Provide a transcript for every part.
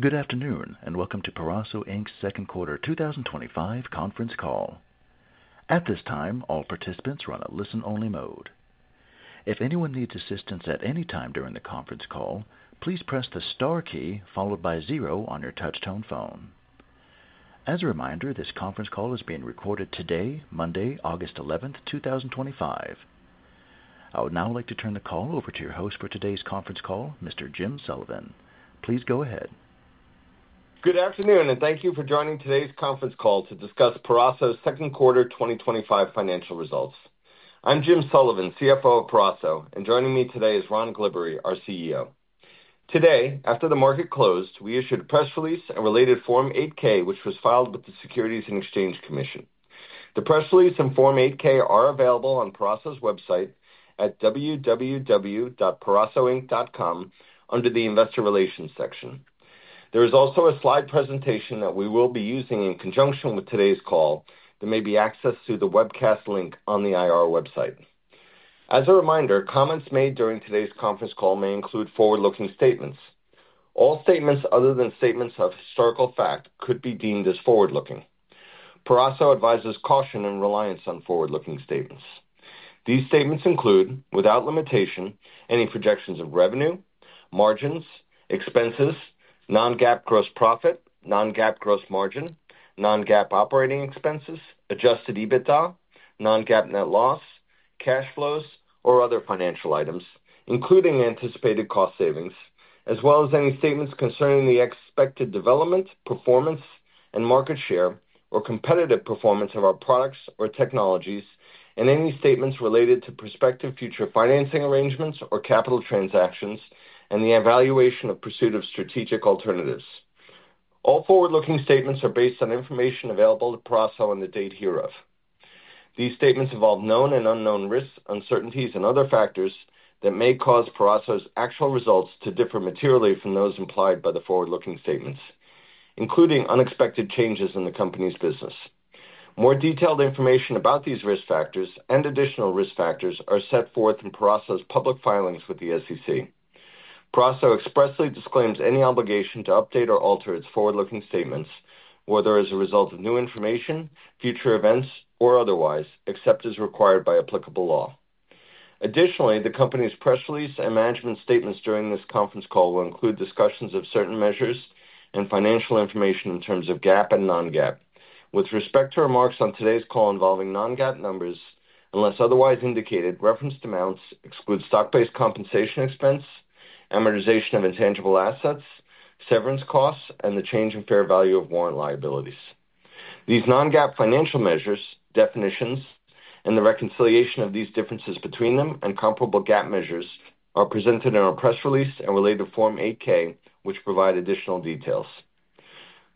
Good afternoon and welcome to Peraso Inc.'s Second Quarter 2025 Conference Call. At this time, all participants are on a listen-only mode. If anyone needs assistance at any time during the conference call, please press the star key followed by zero on your touch-tone phone. As a reminder, this conference call is being recorded today, Monday, August 11th 2025. I would now like to turn the call over to your host for today's conference call, Mr. Jim Sullivan. Please go ahead. Good afternoon and thank you for joining today's conference call to discuss Peraso's Second Quarter 2025 Financial Results. I'm Jim Sullivan, CFO of Peraso, and joining me today is Ron Glibbery, our CEO. Today, after the market closed, we issued a press release and related Form 8-K, which was filed with the Securities and Exchange Commission. The press release and Form 8-K are available on Peraso's website at www.perasoinc.com under the investor relations section. There is also a slide presentation that we will be using in conjunction with today's call that may be accessed through the webcast link on the IR website. As a reminder, comments made during today's conference call may include forward-looking statements. All statements other than statements of historical fact could be deemed as forward-looking. Peraso advises caution and reliance on forward-looking statements. These statements include, without limitation, any projections of revenue, margins, expenses, non-GAAP gross profit, non-GAAP gross margin, non-GAAP operating expenses, adjusted EBITDA, non-GAAP net loss, cash flows, or other financial items, including anticipated cost savings, as well as any statements concerning the expected development, performance, and market share, or competitive performance of our products or technologies, and any statements related to prospective future financing arrangements or capital transactions, and the evaluation of pursuit of strategic alternatives. All forward-looking statements are based on information available to Peraso on the date hereof. These statements involve known and unknown risks, uncertainties, and other factors that may cause Peraso's actual results to differ materially from those implied by the forward-looking statements, including unexpected changes in the company's business. More detailed information about these risk factors and additional risk factors are set forth in Peraso's public filings with the SEC. Peraso expressly disclaims any obligation to update or alter its forward-looking statements, whether as a result of new information, future events, or otherwise, except as required by applicable law. Additionally, the company's press release and management statements during this conference call will include discussions of certain measures and financial information in terms of GAAP and non-GAAP. With respect to remarks on today's call involving non-GAAP numbers, unless otherwise indicated, referenced amounts exclude stock-based compensation expense, amortization of intangible assets, severance costs, and the change in fair value of warrant liabilities. These non-GAAP financial measures, definitions, and the reconciliation of these differences between them and comparable GAAP measures are presented in our press release and related Form 8-K, which provide additional details.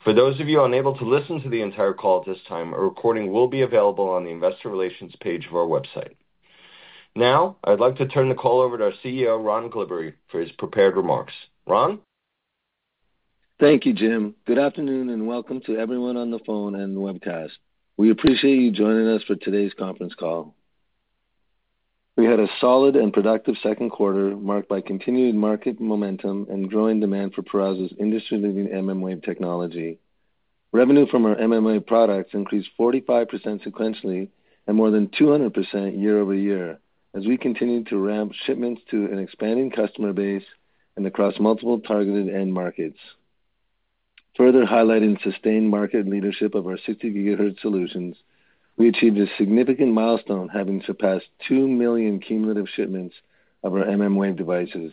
For those of you unable to listen to the entire call at this time, a recording will be available on the investor relations page of our website. Now, I'd like to turn the call over to our CEO, Ron Glibbery, for his prepared remarks. Ron? Thank you, Jim. Good afternoon and welcome to everyone on the phone and webcast. We appreciate you joining us for today's conference call. We had a solid and productive second quarter, marked by continued market momentum and growing demand for Peraso's industry-leading mmWave technology. Revenue from our mmWave products increased 45% sequentially and more than 200% year-over-year as we continued to ramp shipments to an expanding customer base and across multiple targeted end markets. Further highlighting sustained market leadership of our 60 GHz solutions, we achieved a significant milestone, having surpassed 2 million cumulative shipments of our mmWave devices.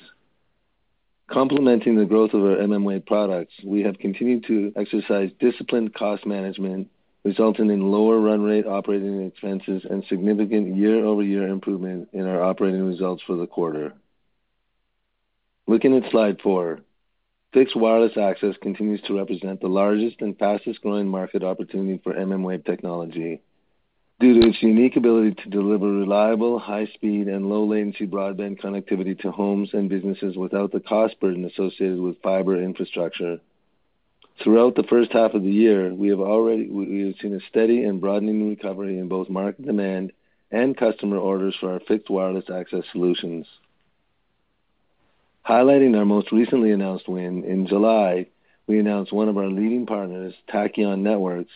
Complementing the growth of our mmWave products, we have continued to exercise disciplined cost management, resulting in lower run rate operating expenses and significant year-over-year improvement in our operating results for the quarter. Looking at slide four, fixed wireless access continues to represent the largest and fastest growing market opportunity for mmWave technology. Due to its unique ability to deliver reliable, high-speed, and low-latency broadband connectivity to homes and businesses without the cost burden associated with fiber infrastructure, throughout the first half of the year, we have already seen a steady and broadening recovery in both market demand and customer orders for our fixed wireless access solutions. Highlighting our most recently announced win, in July, we announced one of our leading partners, Tachyon Networks,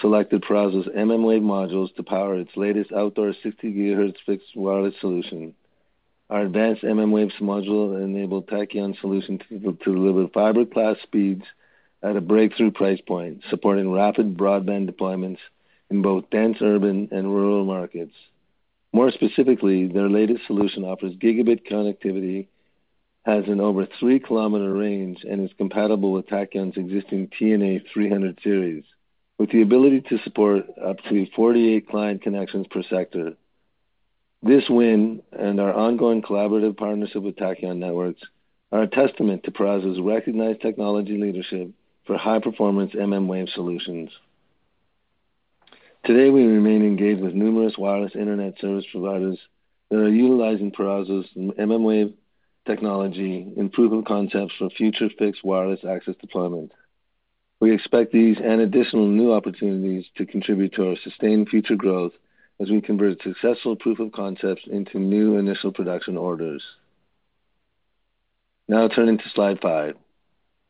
selected Peraso's mmWave modules to power its latest outdoor 60 GHz fixed wireless solution. Our advanced mmWave module enabled Tachyon's solution to deliver fiber-class speeds at a breakthrough price point, supporting rapid broadband deployments in both dense urban and rural markets. More specifically, their latest solution offers gigabit connectivity, has an over three-kilometer range, and is compatible with Tachyon's existing TNA-300 series, with the ability to support up to 48 client connections per sector. This win and our ongoing collaborative partnership with Tachyon Networks are a testament to Peraso's recognized technology leadership for high-performance mmWave solutions. Today, we remain engaged with numerous wireless internet service providers that are utilizing Peraso's mmWave technology in proof of concepts for future fixed wireless access deployment. We expect these and additional new opportunities to contribute to our sustained future growth as we convert successful proof of concepts into new initial production orders. Now turning to slide five,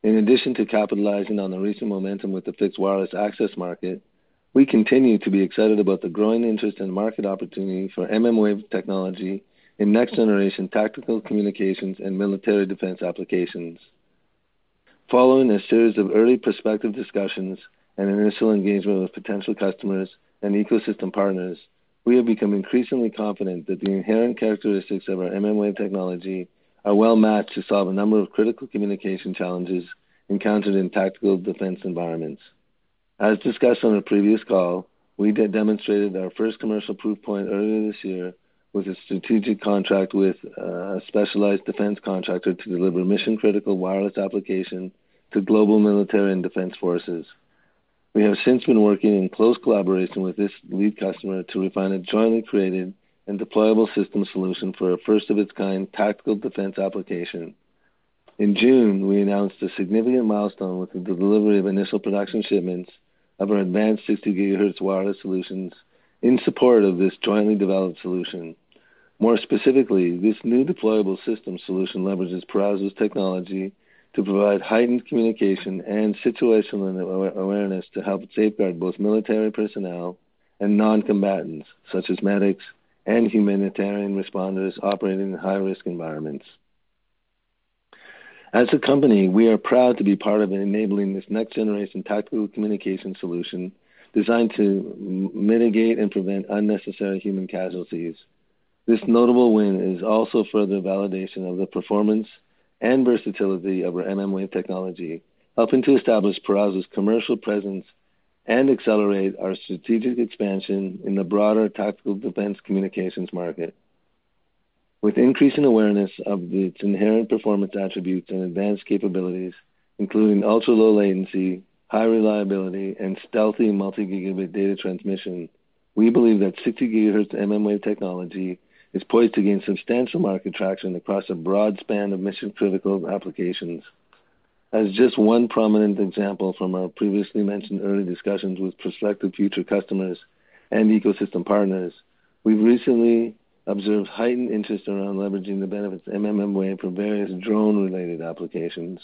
in addition to capitalizing on the recent momentum with the fixed wireless access market, we continue to be excited about the growing interest in market opportunity for mmWave technology in next-generation tactical communications and military defense applications. Following a series of early prospective discussions and initial engagement with potential customers and ecosystem partners, we have become increasingly confident that the inherent characteristics of our mmWave technology are well matched to solve a number of critical communication challenges encountered in tactical defense environments. As discussed on a previous call, we demonstrated our first commercial proof point earlier this year with a strategic contract with a specialized defense contractor to deliver mission-critical wireless applications to global military and defense forces. We have since been working in close collaboration with this lead customer to refine a jointly created and deployable system solution for a first-of-its-kind tactical defense application. In June, we announced a significant milestone with the delivery of initial production shipments of our advanced 60 GHz wireless solutions in support of this jointly developed solution. More specifically, this new deployable system solution leverages Peraso's technology to provide heightened communication and situational awareness to help safeguard both military personnel and non-combatants, such as medics and humanitarian responders operating in high-risk environments. As a company, we are proud to be part of enabling this next-generation tactical communication solution designed to mitigate and prevent unnecessary human casualties. This notable win is also further validation of the performance and versatility of our mmWave technology helping to establish Peraso's commercial presence and accelerate our strategic expansion in the broader tactical defense communications market. With increasing awareness of its inherent performance attributes and advanced capabilities, including ultra-low latency, high reliability, and stealthy multi-gigabit data transmission, we believe that 60 GHz mmWave technology is poised to gain substantial market traction across a broad span of mission-critical applications. As just one prominent example from our previously mentioned early discussions with prospective future customers and ecosystem partners, we've recently observed heightened interest around leveraging the benefits of mmWave for various drone-related applications.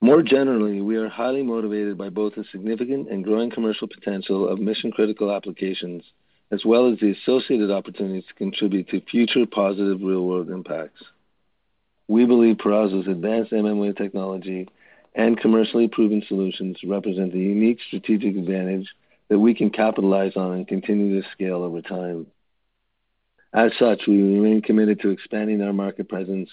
More generally, we are highly motivated by both the significant and growing commercial potential of mission-critical applications, as well as the associated opportunities to contribute to future positive real-world impacts. We believe Peraso's advanced mmWave technology and commercially proven solutions represent a unique strategic advantage that we can capitalize on and continue to scale over time. As such, we remain committed to expanding our market presence,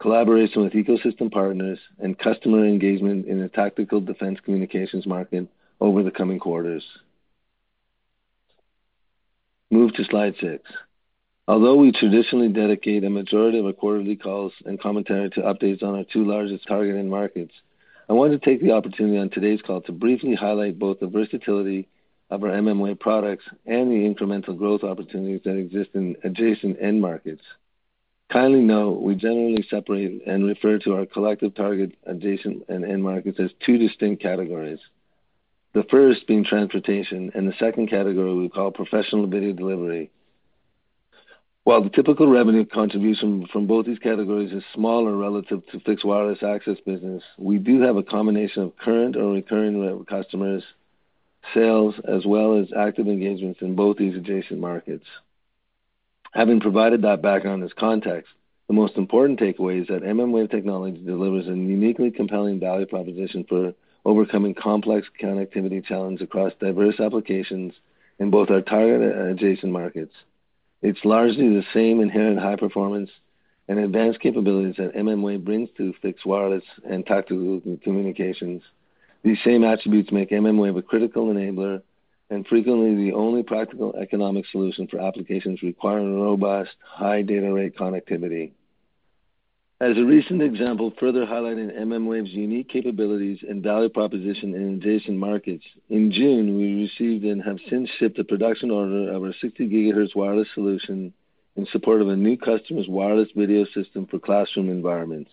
collaboration with ecosystem partners, and customer engagement in the tactical defense communications market over the coming quarters. Move to slide six. Although we traditionally dedicate a majority of our quarterly calls and commentary to updates on our two largest targeted markets, I want to take the opportunity on today's call to briefly highlight both the versatility of our mmWave products and the incremental growth opportunities that exist in adjacent end markets. Kindly note, we generally separate and refer to our collective target adjacent and end markets as two distinct categories. The first being transportation, and the second category we call professional video delivery. While the typical revenue contribution from both these categories is smaller relative to fixed wireless access business, we do have a combination of current or recurring customers, sales, as well as active engagements in both these adjacent markets. Having provided that background as context, the most important takeaway is that mmWave technology delivers a uniquely compelling value proposition for overcoming complex connectivity challenges across diverse applications in both our targeted and adjacent markets. It's largely the same inherent high performance and advanced capabilities that mmWave brings to fixed wireless and tactical communications. These same attributes make mmWave a critical enabler and frequently the only practical economic solution for applications requiring robust, high data rate connectivity. As a recent example, further highlighting mmWave's unique capabilities and value proposition in adjacent markets, in June, we received and have since shipped the production order of our 60 GHz wireless solution in support of a new customer's wireless video system for classroom environments.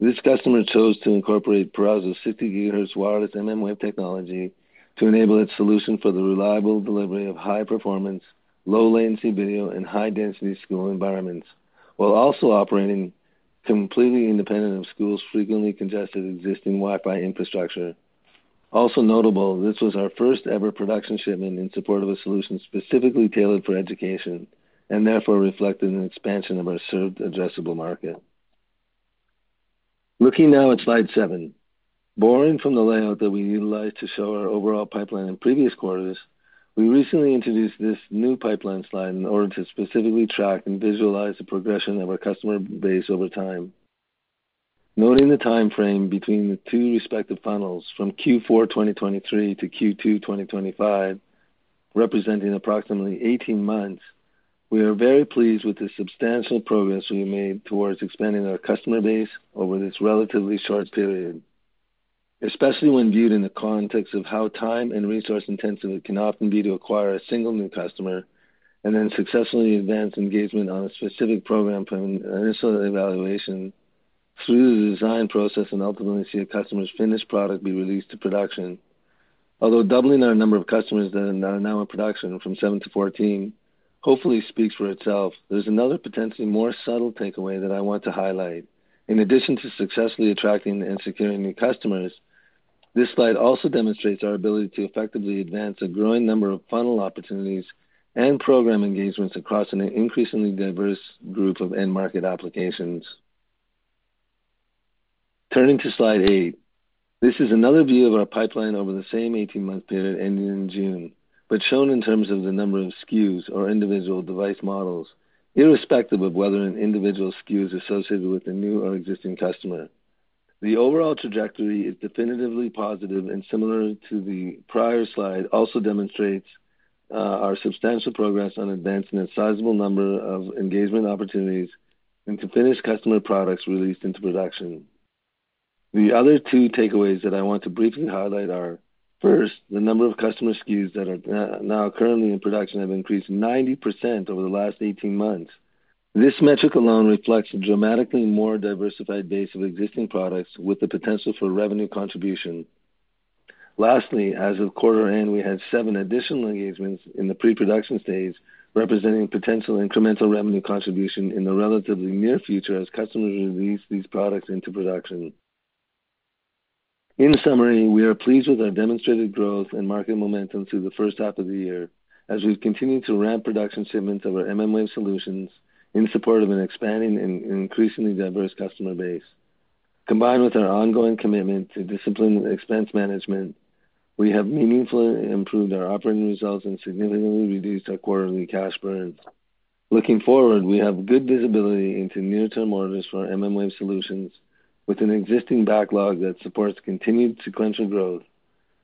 This customer chose to incorporate Peraso's 60 GHz wireless mmWave technology to enable its solution for the reliable delivery of high-performance, low-latency video in high-density school environments, while also operating completely independent of schools' frequently congested existing Wi-Fi infrastructure. Also notable, this was our first-ever production shipment in support of a solution specifically tailored for education and therefore reflected an expansion of our served addressable market. Looking now at slide seven, borrowing from the layout that we utilized to show our overall pipeline in previous quarters, we recently introduced this new pipeline slide in order to specifically track and visualize the progression of our customer base over time. Noting the timeframe between the two respective funnels from Q4 2023-Q2 2025, representing approximately 18 months, we are very pleased with the substantial progress we made towards expanding our customer base over this relatively short period. Especially when viewed in the context of how time and resource intensive it can often be to acquire a single new customer and then successfully advance engagement on a specific program from an initial evaluation through the design process and ultimately see a customer's finished product be released to production. Although doubling our number of customers that are now in production from 7 to 14 hopefully speaks for itself, there's another potentially more subtle takeaway that I want to highlight. In addition to successfully attracting and securing new customers, this slide also demonstrates our ability to effectively advance a growing number of funnel opportunities and program engagements across an increasingly diverse group of end market applications. Turning to slide eight, this is another view of our pipeline over the same 18-month period ending in June, but shown in terms of the number of SKUs or individual device models, irrespective of whether an individual SKU is associated with a new or existing customer. The overall trajectory is definitively positive and, similar to the prior slide, also demonstrates our substantial progress on advancing a sizable number of engagement opportunities and to finish customer products released into production. The other two takeaways that I want to briefly highlight are, first, the number of customer SKUs that are now currently in production have increased 90% over the last 18 months. This metric alone reflects a dramatically more diversified base of existing products with the potential for revenue contribution. Lastly, as of quarter end, we had seven additional engagements in the pre-production stage, representing potential incremental revenue contribution in the relatively near future as customers release these products into production. In summary, we are pleased with our demonstrated growth and market momentum through the first half of the year as we've continued to ramp production shipments of our mmWave solutions in support of an expanding and increasingly diverse customer base. Combined with our ongoing commitment to disciplined expense management, we have meaningfully improved our operating results and significantly reduced our quarterly cash burden. Looking forward, we have good visibility into near-term orders for our mmWave solutions with an existing backlog that supports continued sequential growth.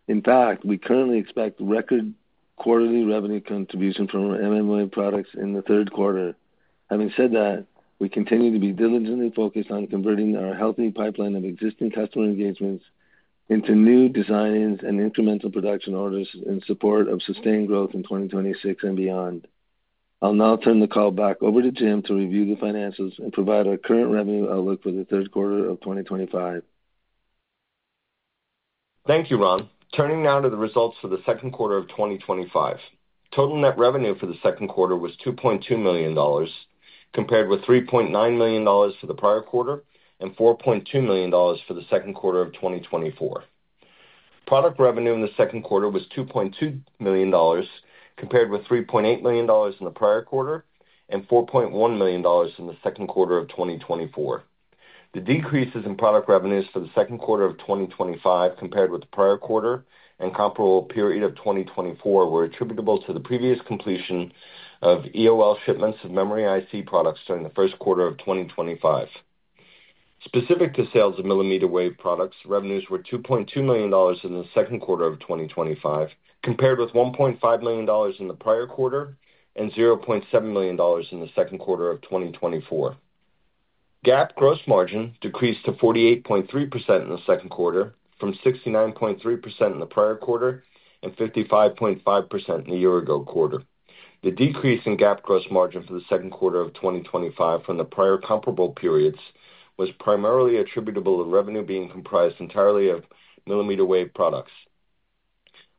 In fact, we currently expect record quarterly revenue contribution from our mmWave products in the third quarter. Having said that, we continue to be diligently focused on converting our healthy pipeline of existing customer engagements into new designs and incremental production orders in support of sustained growth in 2026 and beyond. I'll now turn the call back over to Jim to review the financials and provide our current revenue outlook for the third quarter of 2025. Thank you, Ron. Turning now to the results for the second quarter of 2025. Total net revenue for the second quarter was $2.2 million, compared with $3.9 million for the prior quarter and $4.2 million for the second quarter of 2024. Product revenue in the second quarter was $2.2 million, compared with $3.8 million in the prior quarter and $4.1 million in the second quarter of 2024. The decreases in product revenues for the second quarter of 2025 compared with the prior quarter and comparable period of 2024 were attributable to the previous completion of EOL shipments of memory IC products during the first quarter of 2025. Specific to sales of millimeter wave products, revenues were $2.2 million in the second quarter of 2025, compared with $1.5 million in the prior quarter and $0.7 million in the second quarter of 2024. GAAP gross margin decreased to 48.3% in the second quarter, from 69.3% in the prior quarter and 55.5% in the year-ago quarter. The decrease in GAAP gross margin for the second quarter of 2025 from the prior comparable periods was primarily attributable to revenue being comprised entirely of millimeter wave products.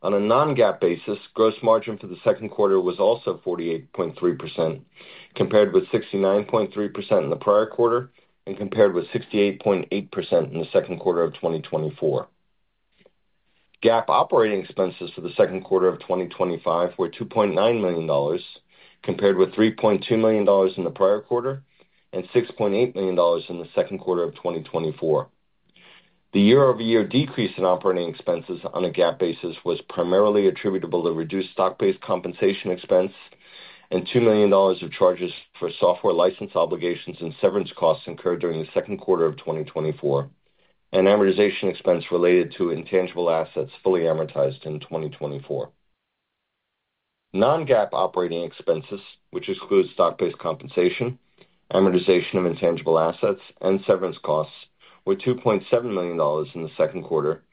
On a non-GAAP basis, gross margin for the second quarter was also 48.3%, compared with 69.3% in the prior quarter and compared with 68.8% in the second quarter of 2024. GAAP operating expenses for the second quarter of 2025 were $2.9 million, compared with $3.2 million in the prior quarter and $6.8 million in the second quarter of 2024. The year-over-year decrease in operating expenses on a GAAP basis was primarily attributable to reduced stock-based compensation expense and $2 million of charges for software license obligations and severance costs incurred during the second quarter of 2024, and amortization expense related to intangible assets fully amortized in 2024. Non-GAAP operating expenses, which exclude stock-based compensation, amortization of intangible assets, and severance costs, were $2.7 million in the second quarter,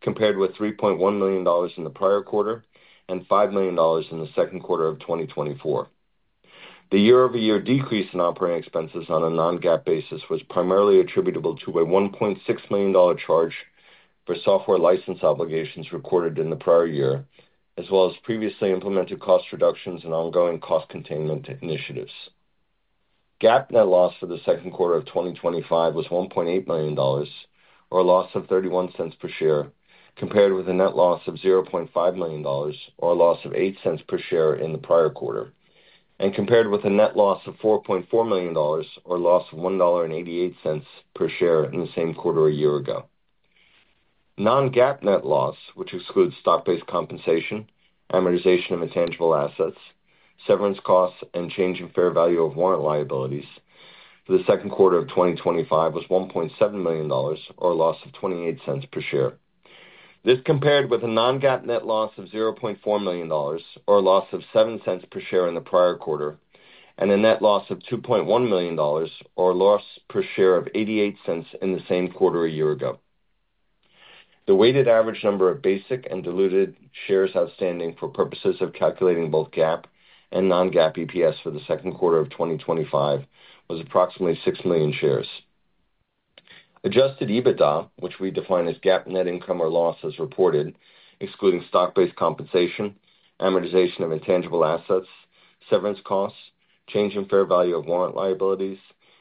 compared with $3.1 million in the prior quarter and $5 million in the second quarter of 2024. The year-over-year decrease in operating expenses on a non-GAAP basis was primarily attributable to a $1.6 million charge for software license obligations recorded in the prior year, as well as previously implemented cost reductions and ongoing cost containment initiatives. GAAP net loss for the second quarter of 2025 was $1.8 million, or a loss of $0.31 per share, compared with a net loss of $0.5 million, or a loss of $0.08 per share in the prior quarter, and compared with a net loss of $4.4 million, or a loss of $1.88 per share in the same quarter a year ago. Non-GAAP net loss, which excludes stock-based compensation, amortization of intangible assets, severance costs, and change in fair value of warrant liabilities for the second quarter of 2025, was $1.7 million, or a loss of $0.28 per share. This compared with a non-GAAP net loss of $0.4 million, or a loss of $0.07 per share in the prior quarter, and a net loss of $2.1 million, or a loss per share of $0.88 in the same quarter a year ago. The weighted average number of basic and diluted shares outstanding for purposes of calculating both GAAP and non-GAAP EPS for the second quarter of 2025 was approximately 6 million shares. Adjusted EBITDA, which we define as GAAP net income or loss as reported, excluding stock-based compensation, amortization of intangible assets, severance costs, change in fair value of warrant liabilities,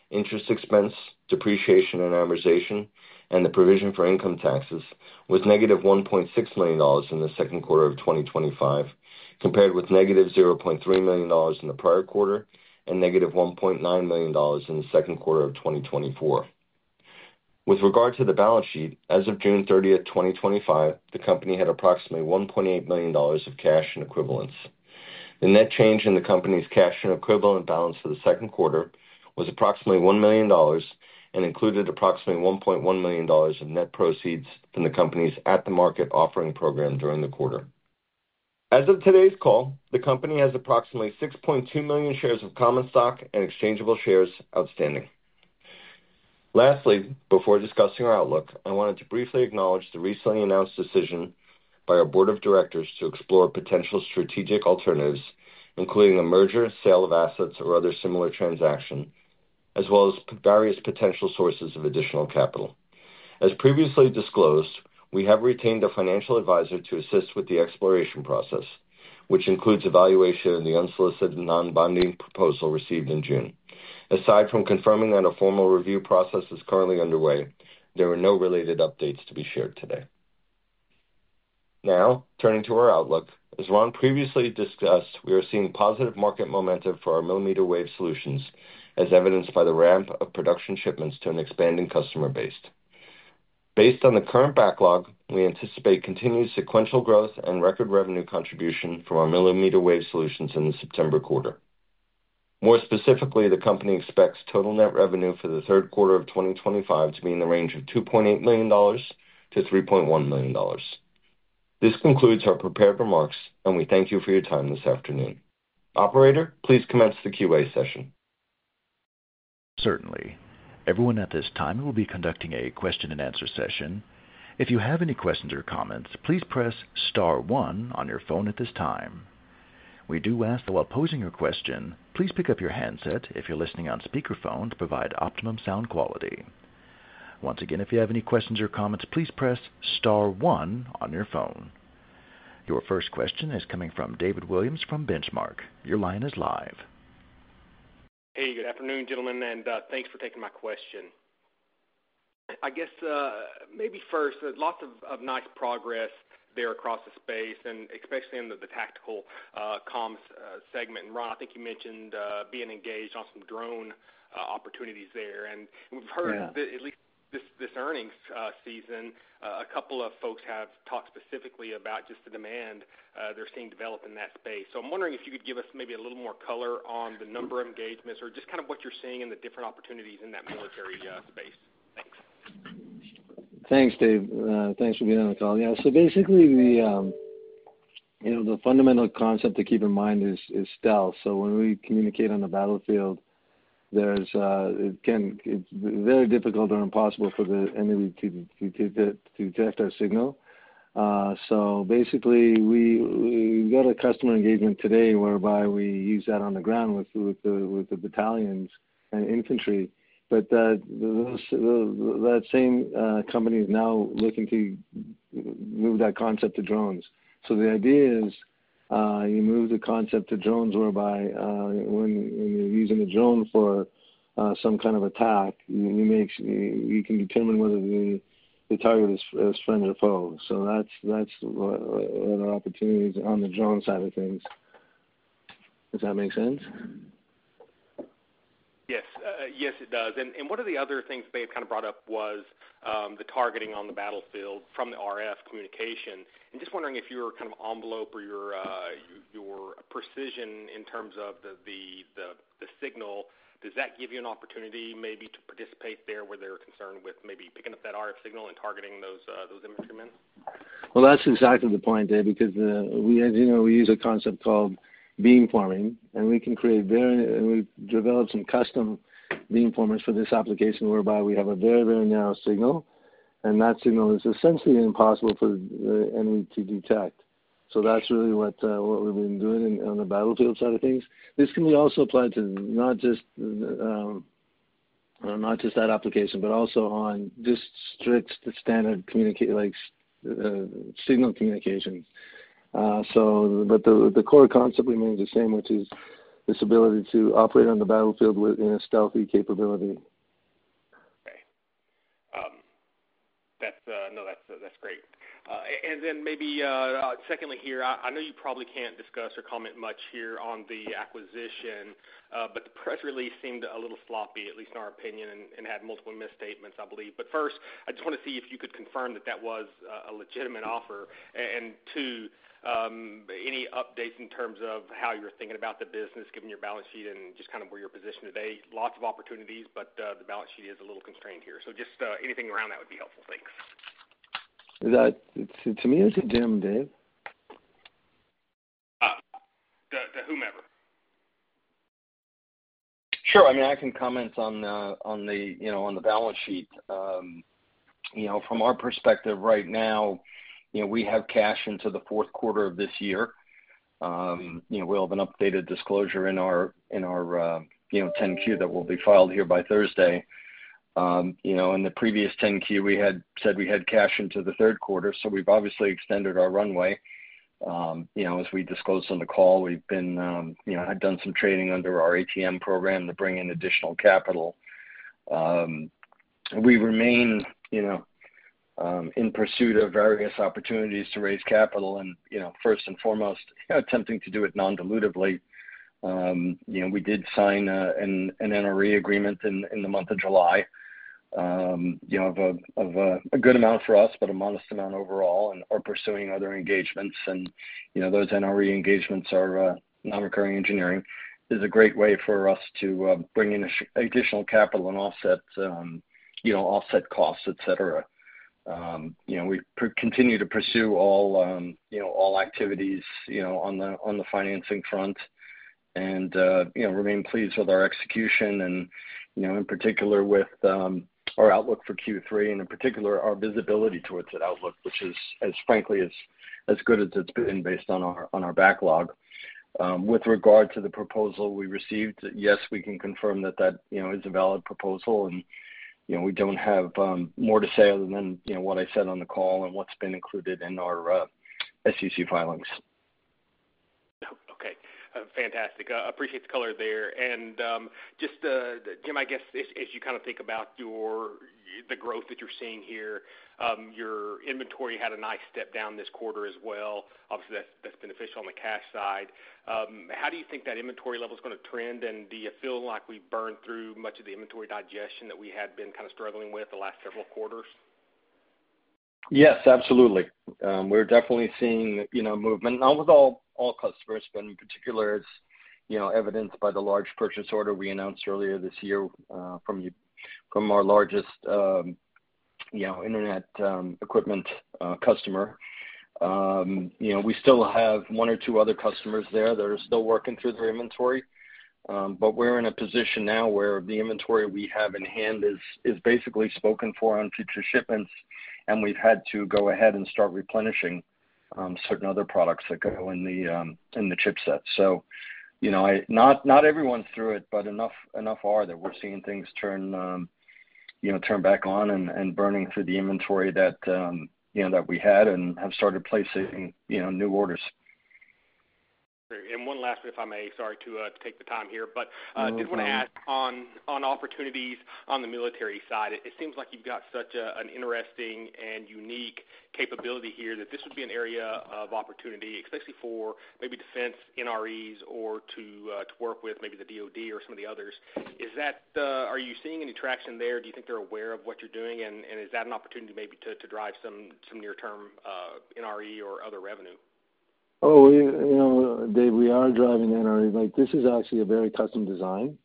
interest expense, depreciation and amortization, and the provision for income taxes, was -$1.6 million in the second quarter of 2025, compared with -$0.3 million in the prior quarter and -$1.9 million in the second quarter of 2024. With regard to the balance sheet, as of June 30th 2025, the company had approximately $1.8 million of cash and equivalents. The net change in the company's cash and equivalent balance for the second quarter was approximately $1 million and included approximately $1.1 million of net proceeds from the company's at-the-market offering program during the quarter. As of today's call, the company has approximately 6.2 million shares of common stock and exchangeable shares outstanding. Lastly, before discussing our outlook, I wanted to briefly acknowledge the recently announced decision by our Board of Directors to explore potential strategic alternatives, including the merger, sale of assets, or other similar transactions, as well as various potential sources of additional capital. As previously disclosed, we have retained a financial advisor to assist with the exploration process, which includes evaluation of the unsolicited non-binding proposal received in June. Aside from confirming that a formal review process is currently underway, there are no related updates to be shared today. Now, turning to our outlook, as Ron previously discussed, we are seeing positive market momentum for our millimeter wave solutions, as evidenced by the ramp of production shipments to an expanding customer base. Based on the current backlog, we anticipate continued sequential growth and record revenue contribution from our millimeter wave solutions in the September quarter. More specifically, the company expects total net revenue for the third quarter of 2025 to be in the range of $2.8 million-$3.1 million. This concludes our prepared remarks, and we thank you for your time this afternoon. Operator, please commence the Q&A session. Certainly. Everyone, at this time we will be conducting a question and answer session. If you have any questions or comments, please press star one on your phone at this time. We do ask that while posing your question, please pick up your headset if you're listening on speakerphone to provide optimum sound quality. Once again, if you have any questions or comments, please press star one on your phone. Your first question is coming from David Williams from Benchmark. Your line is live. Good afternoon, gentlemen, and thanks for taking my question. I guess maybe first, lots of nice progress there across the space, especially in the tactical communications segment. Ron, I think you mentioned being engaged on some drone opportunities there. We've heard that at least this earnings season, a couple of folks have talked specifically about just the demand they're seeing develop in that space. I'm wondering if you could give us maybe a little more color on the number of engagements or just kind of what you're seeing in the different opportunities in that military space. Thanks. Thanks, Dave. Thanks for being on the call. The fundamental concept to keep in mind is stealth. When we communicate on the battlefield, it can be very difficult or impossible for the enemy to detect our signal. We got a customer engagement today whereby we use that on the ground with the battalions and infantry. That same company is now looking to move that concept to drones. The idea is you move the concept to drones whereby when you're using a drone for some kind of attack, you can determine whether the target is a friend or foe. That's one of the opportunities on the drone side of things. Does that make sense? Yes, it does. One of the other things they've kind of brought up was the targeting on the battlefield from the RF communication. I'm just wondering if your kind of envelope or your precision in terms of the signal, does that give you an opportunity maybe to participate there where they're concerned with maybe picking up that RF signal and targeting those infantrymen? That's exactly the point, Dave, because as you know, we use a concept called beamforming, and we can create very, we develop some custom beamformers for this application whereby we have a very, very narrow signal, and that signal is essentially impossible for the enemy to detect. That's really what we've been doing on the battlefield side of things. This can be also applied to not just that application, but also on just strict standard signal communication. The core concept remains the same, which is this ability to operate on the battlefield in a stealthy capability. Okay. No, that's great. Maybe secondly here, I know you probably can't discuss or comment much here on the acquisition, but the press release seemed a little floppy, at least in our opinion, and had multiple misstatements, I believe. First, I just want to see if you could confirm that that was a legitimate offer. Any updates in terms of how you're thinking about the business, given your balance sheet, and just kind of where you're positioned today? Lots of opportunities, but the balance sheet is a little constrained here. Just anything around that would be helpful. Thanks. To me or to Jim, Dave? To whomever. Sure. I mean, I can comment on the balance sheet. From our perspective right now, we have cash into the fourth quarter of this year. We'll have an updated disclosure in our 10-Q that will be filed here by Thursday. In the previous 10-Q, we had said we had cash into the third quarter. We've obviously extended our runway. As we disclosed on the call, we've done some trading under our ATM program to bring in additional capital. We remain in pursuit of various opportunities to raise capital, and first and foremost, attempting to do it non-dilutively. We did sign an NRE agreement in the month of July of a good amount for us, but a modest amount overall, and are pursuing other engagements. Those NRE engagements are non-recurring engineering. It's a great way for us to bring in additional capital and offset costs, etc. We continue to pursue all activities on the financing front and remain pleased with our execution, in particular with our outlook for Q3 and in particular our visibility towards that outlook, which is frankly as good as it's been based on our backlog. With regard to the proposal we received, yes, we can confirm that is a valid proposal, and we don't have more to say other than what I said on the call and what's been included in our SEC filings. Okay. Fantastic. I appreciate the color there. Jim, as you kind of think about the growth that you're seeing here, your inventory had a nice step down this quarter as well. Obviously, that's beneficial on the cash side. How do you think that inventory level is going to trend, and do you feel like we burned through much of the inventory digestion that we had been kind of struggling with the last several quarters? Yes, absolutely. We're definitely seeing movement, not with all customers, but in particular, as evidenced by the large purchase order we announced earlier this year from our largest internet equipment customer. We still have one or two other customers there that are still working through their inventory. We're in a position now where the inventory we have in hand is basically spoken for on future shipments, and we've had to go ahead and start replenishing certain other products that go in the chipset. Not everyone's through it, but enough are there. We're seeing things turn back on and burning through the inventory that we had and have started placing new orders. One last, sorry to take the time here, but I did want to ask on opportunities on the military side. It seems like you've got such an interesting and unique capability here that this would be an area of opportunity, especially for maybe defense NREs or to work with maybe the DOD or some of the others. Are you seeing any traction there? Do you think they're aware of what you're doing? Is that an opportunity maybe to drive some near-term NRE or other revenue? Oh, you know, Dave, we are driving NRE. This is actually a very custom design.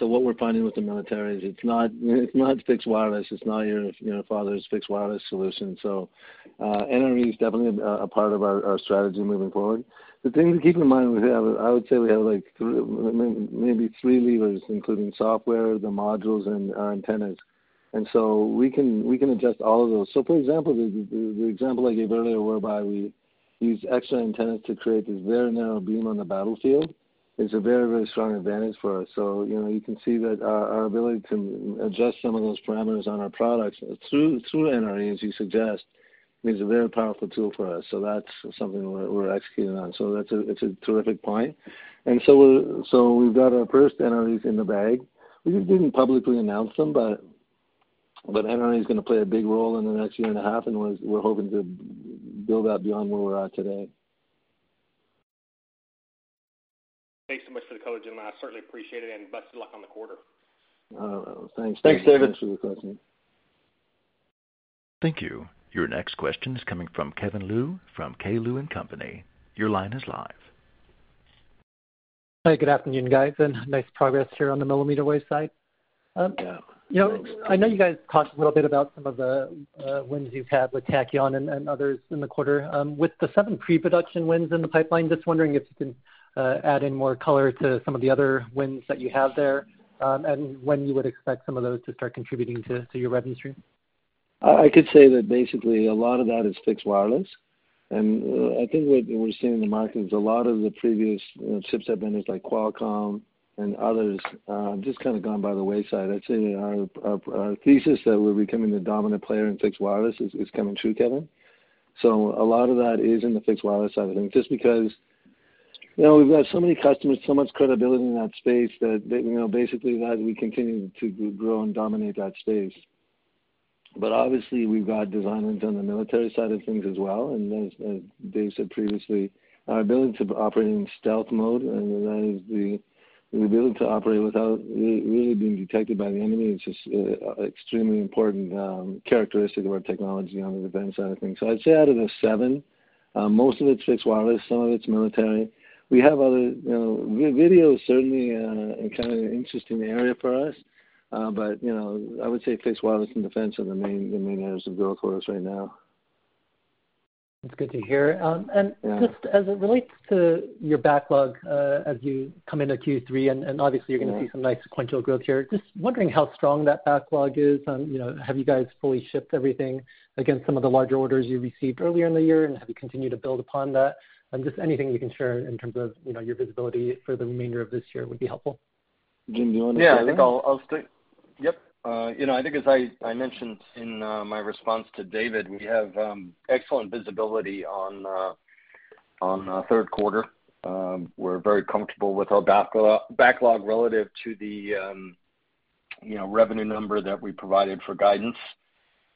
What we're finding with the military is it's not fixed wireless. It's not your father's fixed wireless solution. NRE is definitely a part of our strategy moving forward. The thing to keep in mind, I would say we have maybe three levers, including software, the modules, and our antennas. We can adjust all of those. For example, the example I gave earlier whereby we use extra antennas to create this very narrow beam on the battlefield is a very, very strong advantage for us. You can see that our ability to adjust some of those parameters on our products through the NRE, as you suggest, is a very powerful tool for us. That's something we're executing on. That's a terrific point. We've got our first NREs in the bag. We just didn't publicly announce them, but NRE is going to play a big role in the next year and a half, and we're hoping to build that beyond where we're at today. Thanks so much for the color, Jim. I certainly appreciate it and best of luck on the quarter. All right, thanks. Thanks, David. Thanks for your question. Thank you. Your next question is coming from Kevin Liu from K. Liu & Company. Your line is live. Hi, good afternoon, guys, and nice progress here on the millimeter wave side. I know you guys talked a little bit about some of the wins you've had with Tachyon and others in the quarter. With the seven pre-production wins in the pipeline, just wondering if you can add in more color to some of the other wins that you have there and when you would expect some of those to start contributing to your revenue stream. I could say that basically a lot of that is fixed wireless. I think what we're seeing in the market is a lot of the previous chipset vendors like Qualcomm and others have just kind of gone by the wayside. I'd say our thesis that we're becoming the dominant player in fixed wireless is coming true, Kevin. A lot of that is in the fixed wireless side of things, just because we've got so many customers, so much credibility in that space that we continue to grow and dominate that space. Obviously, we've got designs on the military side of things as well. As Dave said previously, our ability to operate in stealth mode and the ability to operate without really being detected by the enemy is just an extremely important characteristic of our technology on the defense side of things. I'd say out of the seven, most of it's fixed wireless, some of it's military. We have other, you know, video is certainly a kind of an interesting area for us. I would say fixed wireless and defense are the main areas of growth for us right now. That's good to hear. Just as it relates to your backlog, as you come into Q3, and obviously you're going to see some nice sequential growth here, just wondering how strong that backlog is. Have you guys fully shipped everything against some of the larger orders you received earlier in the year, and have you continued to build upon that? Anything you can share in terms of your visibility for the remainder of this year would be helpful. Jim, do you want to start? I think I'll stick. Yep. I think as I mentioned in my response to David, we have excellent visibility on the third quarter. We're very comfortable with our backlog relative to the revenue number that we provided for guidance.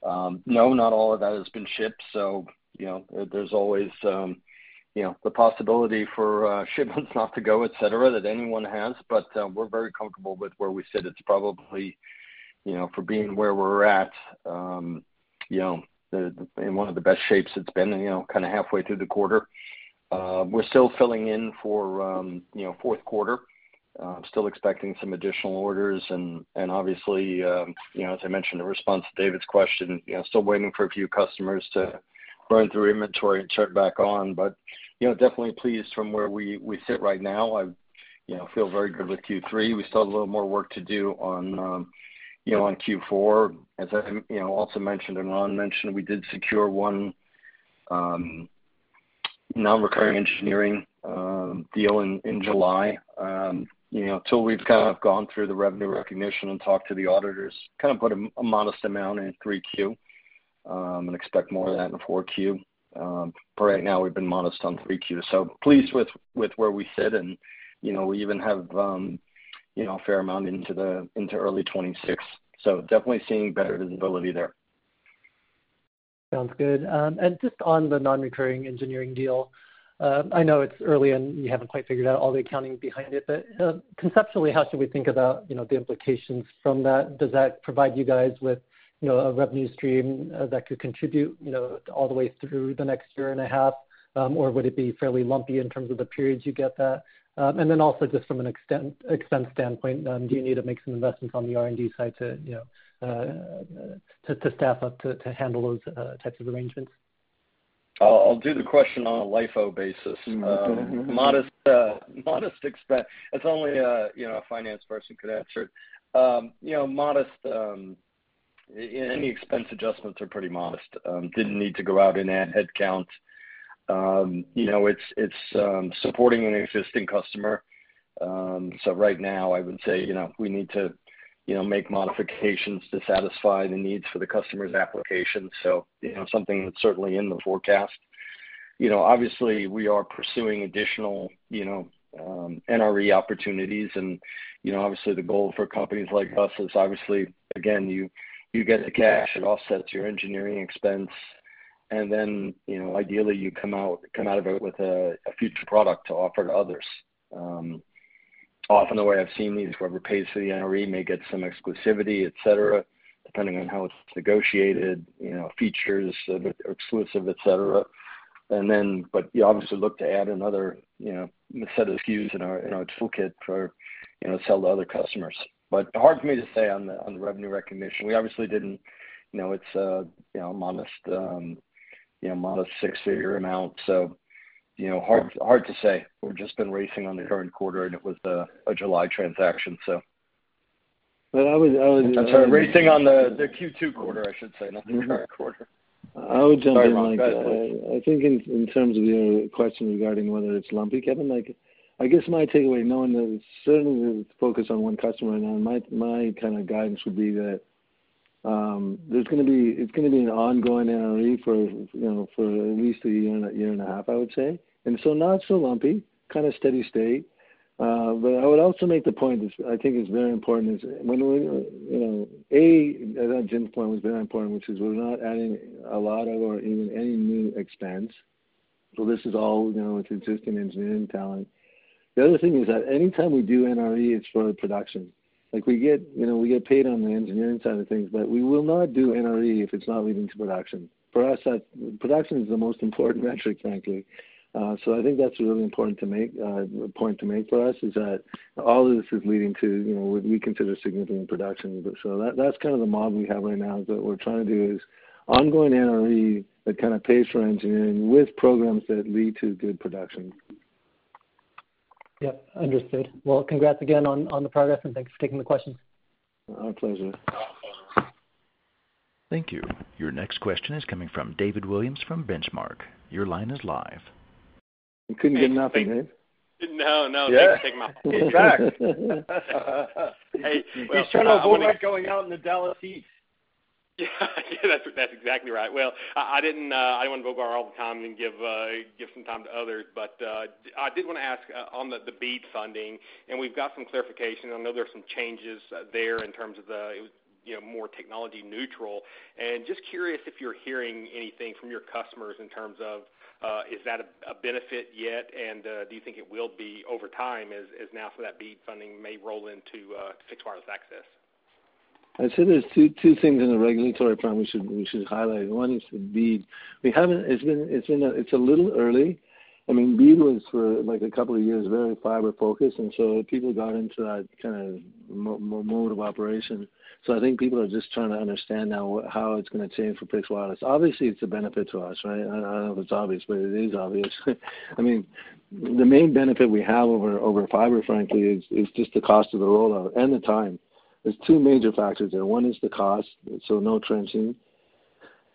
Not all of that has been shipped. There's always the possibility for shipments not to go, etc., that anyone has. We're very comfortable with where we sit. It's probably, for being where we're at, in one of the best shapes it's been, kind of halfway through the quarter. We're still filling in for the fourth quarter, still expecting some additional orders. Obviously, as I mentioned in response to David's question, still waiting for a few customers to run through inventory and turn back on. Definitely pleased from where we sit right now. I feel very good with Q3. We still have a little more work to do on Q4. As I also mentioned and Ron mentioned, we did secure one non-recurring engineering deal in July. Until we've gone through the revenue recognition and talked to the auditors, we put a modest amount in 3Q and expect more of that in 4Q. Right now, we've been modest on 3Q. Pleased with where we sit. We even have a fair amount into the early 2026. Definitely seeing better visibility there. Sounds good. Just on the non-recurring engineering deal, I know it's early and you haven't quite figured out all the accounting behind it. Conceptually, how should we think about the implications from that? Does that provide you guys with a revenue stream that could contribute all the way through the next year and a half, or would it be fairly lumpy in terms of the periods you get that? Also, just from an expense standpoint, do you need to make some investments on the R&D side to staff up to handle those types of arrangements? I'll do the question on a LIFO basis. Modest expense. It's only, you know, a finance person could answer it. You know, modest, any expense adjustments are pretty modest. Didn't need to go out and add headcount. It's supporting an existing customer. Right now, I would say we need to make modifications to satisfy the needs for the customer's application. Something that's certainly in the forecast. Obviously, we are pursuing additional NRE opportunities. Obviously, the goal for companies like us is, again, you get the cash, it offsets your engineering expense. Ideally, you come out of it with a future product to offer to others. Often, the way I've seen these, whoever pays for the NRE may get some exclusivity, etc., depending on how it's negotiated, features, exclusive, etc. You obviously look to add another set of SKUs in our toolkit to sell to other customers. Hard for me to say on the revenue recognition. We obviously didn't, it's a modest six-figure amount. Hard to say. We've just been racing on the current quarter, and it was a July transaction. I'm sorry, racing on the Q2 quarter, I should say, not the quarter. I would just, I think in terms of your question regarding whether it's lumpy, Kevin, I guess my takeaway, knowing that certainly there's a focus on one customer right now, my kind of guidance would be that it's going to be an ongoing NRE for, you know, for at least a year and a half, I would say. Not so lumpy, kind of steady state. I would also make the point, I think it's very important, is when, you know, a, as Jim's point was very important, which is we're not adding a lot of or even any new expense. This is all, you know, it's existing engineering talent. The other thing is that anytime we do NRE, it's for production. Like we get, you know, we get paid on the engineering side of things, but we will not do NRE if it's not leading to production. For us, production is the most important metric, frankly. I think that's really important to make, a point to make for us, is that all of this is leading to, you know, what we consider significant production. That's kind of the model we have right now. What we're trying to do is ongoing NRE that kind of pays for engineering with programs that lead to good production. Understood. Congrats again on the progress and thanks for taking the question. Our pleasure. Thank you. Your next question is coming from David Williams from Benchmark. Your line is live. You couldn't get nothing, David? No, no, take my. Hey, he's trying to avoid going out in the Dallas East. Yeah, that's exactly right. I didn't want to go over all the time and give some time to others, but I did want to ask on the BEAD funding, and we've got some clarification. I know there are some changes there in terms of the, you know, more technology neutral. Just curious if you're hearing anything from your customers in terms of, is that a benefit yet? Do you think it will be over time as now for that BEAD funding may roll into fixed wireless access? I'd say there's two things on the regulatory front we should highlight. One is the BEAD. It's a little early. I mean, BEAD was for like a couple of years very fiber-focused, and people got into that kind of mode of operation. I think people are just trying to understand now how it's going to change for fixed wireless. Obviously, it's a benefit to us, right? I don't know if it's obvious, but it is obvious. I mean, the main benefit we have over fiber, frankly, is just the cost of the rollout and the time. There's two major factors there. One is the cost, so no trenching.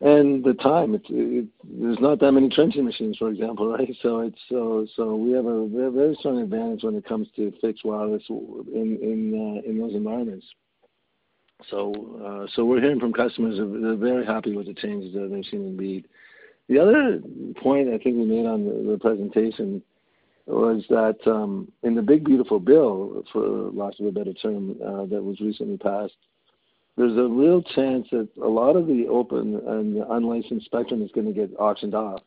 The time, there's not that many trenching machines, for example, right? We have a very strong advantage when it comes to fixed wireless in those environments. We're hearing from customers that they're very happy with the changes that they're seeing in BEAD. The other point I think we made on the presentation was that in the big beautiful bill, for lack of a better term, that was recently passed, there's a real chance that a lot of the open and the unlicensed spectrum is going to get auctioned off,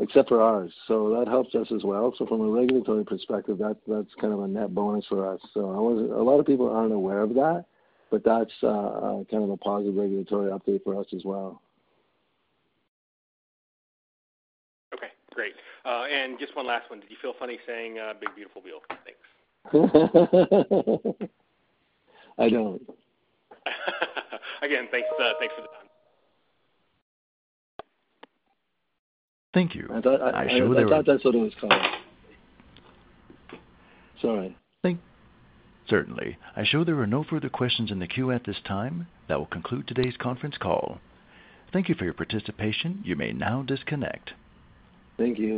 except for ours. That helped us as well. From a regulatory perspective, that's kind of a net bonus for us. A lot of people aren't aware of that, but that's kind of a positive regulatory update for us as well. Okay, great. Just one last one. Did you feel funny saying big beautiful bill? I don't. Again, thanks for the time. Thank you. I thought that's what it was called. Sorry. Certainly. I show there are no further questions in the queue at this time. That will conclude today's conference call. Thank you for your participation. You may now disconnect. Thank you.